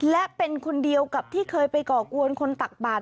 และเป็นคนเดียวกับที่เคยไปก่อกวนคนตักบาท